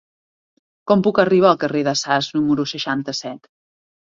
Com puc arribar al carrer de Sas número seixanta-set?